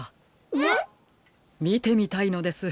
えっ？みてみたいのです。